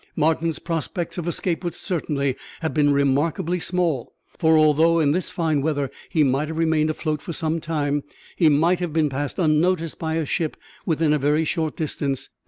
Martin's prospects of escape would certainly have been remarkably small; for although, in this fine weather, he might have remained afloat for some time, he might have been passed unnoticed by a ship within a very short distance.